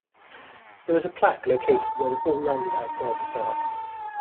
There is a plaque located where the ball landed outside the park.